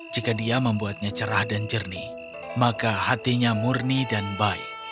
jika dia membuatnya cerah dan jernih maka hatinya murni dan baik